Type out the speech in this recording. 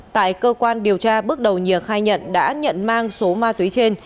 tại cơ quan điều tra bước đầu nhiệt khai nhận đã nhận mang số ma túy trên